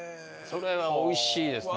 それはおいしいですね。